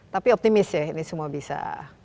tapi optimis ya ini semua bisa